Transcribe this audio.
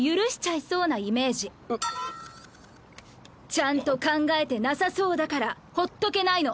ちゃんと考えてなさそうだからほっとけないの。